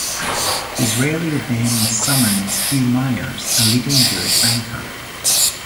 Disraeli then summons Hugh Myers, a leading Jewish banker.